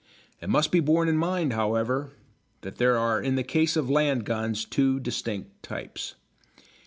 It must be borne in mind, however, that there are in the case of land guns two distinct types.